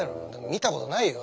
見たことないよ。